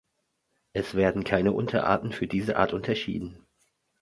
Es werden keine Unterarten für diese Art unterschieden.